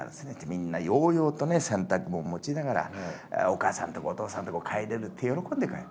みんな揚々とね洗濯物持ちながらお母さんとこお父さんとこ帰れるって喜んで帰る。